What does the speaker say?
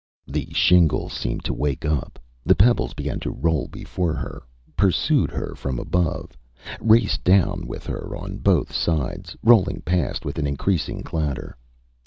The shingle seemed to wake up; the pebbles began to roll before her, pursued her from above, raced down with her on both sides, rolling past with an increasing clatter.